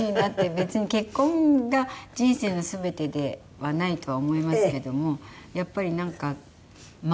別に結婚が人生の全てではないとは思いますけどもやっぱりなんか守る人？